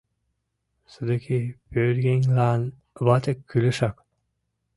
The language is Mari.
Содыки пӧръеҥлан вате кӱлешак».